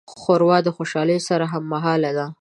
ښوروا د خوشالۍ سره هممهاله ده.